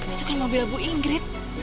itu kan mobil labu ingrid